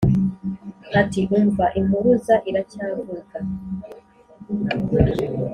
ati"umva impuruza iracyavuga